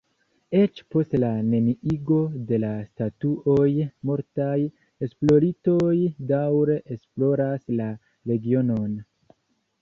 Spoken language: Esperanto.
Eĉ post la neniigo de la statuoj multaj esploristoj daŭre esploras la regionon.